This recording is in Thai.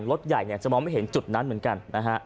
รถใหญ่เนี่ยจะมองไม่เห็นจุดนั้นเหมือนกันนะฮะ